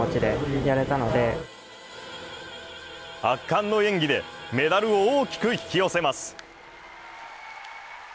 圧巻の演技でメダルを大きく引き寄せます。